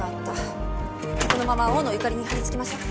このまま大野ゆかりに張り付きましょう。